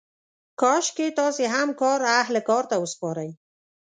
کاشکې تاسې هم کار اهل کار ته وسپارئ.